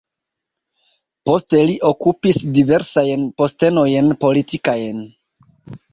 Poste li okupis diversajn postenojn politikajn.